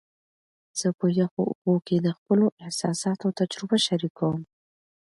زه په یخو اوبو کې د خپلو احساساتو تجربه شریکوم.